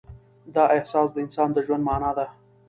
دا احساس د انسان د ژوند معنی ده.